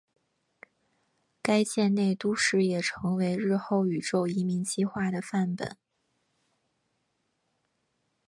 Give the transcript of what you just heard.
该舰内都市也成为日后宇宙移民计画的范本。